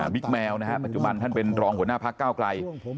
แมวนะฮะปัจจุบันท่านเป็นรองหัวหน้าพักเก้าไกล